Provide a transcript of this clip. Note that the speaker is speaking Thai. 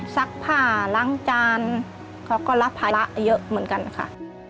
ซักผ้าล้างจานเขาก็รับภาระเยอะเหมือนกันค่ะ